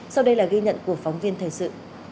sau đây là ghi nhận của phóng viên thời sự